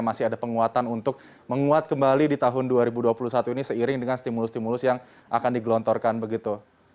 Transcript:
masih ada penguatan untuk menguat kembali di tahun dua ribu dua puluh satu ini seiring dengan stimulus stimulus yang akan digelontorkan begitu